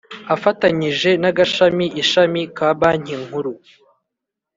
afatanyije n Agashami Ishami ka banki nkuru